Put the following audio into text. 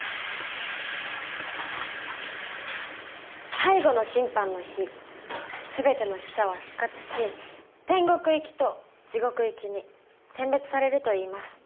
最後の審判の日すべての死者は復活し天国行きと地獄行きに選別されるといいます。